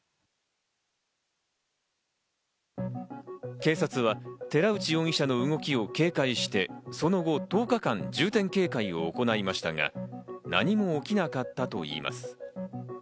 警察は寺内容疑者の動きを警戒して、その後１０日間、重点警戒を行いましたが、何も起きなかったといいます。